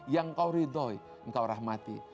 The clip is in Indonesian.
yang kau ridhoi engkau rahmati